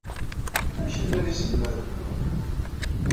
Amek ay llan yiselmaden-nwen?